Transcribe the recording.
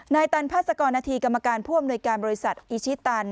ในตันพรนกรรมการพอบรศอิชิตัน